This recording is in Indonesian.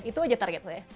itu aja target saya